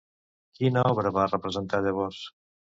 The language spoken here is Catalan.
Quina obra va representar llavors?